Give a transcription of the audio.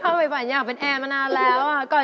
ถึงว่าใสต์ไปหน้ายูเหรอเนี่ย